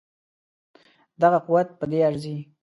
دغه قوت په دې ارزي.